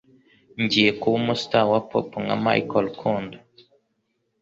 Ngiye kuba umustar wa pop nka Michael Rukundo